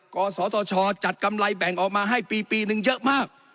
กศตชจัดกำไรแบ่งออกมาให้ปีนึงเยอะมาก